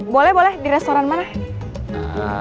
boleh boleh di restoran mana